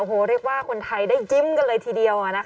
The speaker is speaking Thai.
โอ้โหเรียกว่าคนไทยได้ยิ้มกันเลยทีเดียว